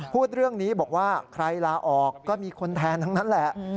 พูดเรื่องนี้บอกว่าใครลาออกก็มีคนแทนทั้งนั้นแหละ